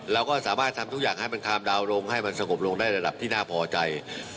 เราก็สามารถทำทุกอย่างให้มันคามดาวน์ลงให้มันสงบลงได้ระดับที่น่าพอใจ